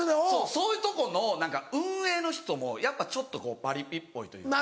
そういうとこの運営の人もやっぱちょっとパリピっぽいというか。